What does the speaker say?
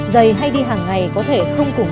giày hay đi hàng ngày có thể không cùng